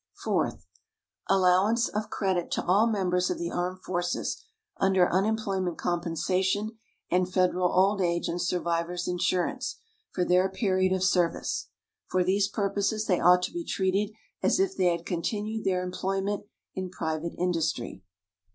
Fourth, allowance of credit to all members of the armed forces, under unemployment compensation and federal old age and survivors' insurance, for their period of service. For these purposes they ought to be treated as if they had continued their employment in private industry.